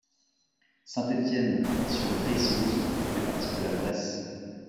Saint-Étienne-sur-Reyssouze fait partie de la Bresse.